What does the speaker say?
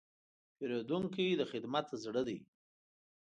پیرودونکی د خدمت زړه دی.